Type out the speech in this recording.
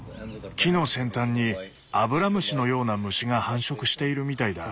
木の先端にアブラムシのような虫が繁殖しているみたいだ。